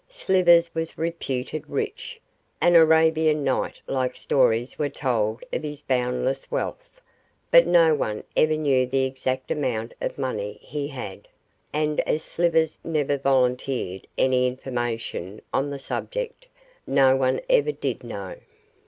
Slivers was reputed rich, and Arabian Night like stories were told of his boundless wealth, but no one ever knew the exact amount of money he had, and as Slivers never volunteered any information on the subject, no one ever did know.